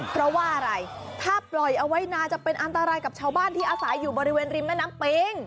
เพราะว่าอะไรถ้าปล่อยเอาไว้นานจะเป็นอันตรายกับชาวบ้านที่อาศัยอยู่บริเวณริมแม่น้ำปิง